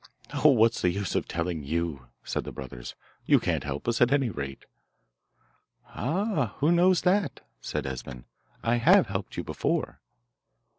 'Oh, what's the use of telling you?' said the brothers. 'You can't help us, at any rate.' 'Ah! who knows that?' said Esben. 'I have helped you before.